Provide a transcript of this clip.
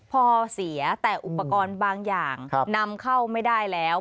พอเสียแต่อุปกรณ์บางอย่างนำเข้าไม่ได้แล้ว